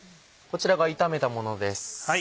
こちらが炒めたものです。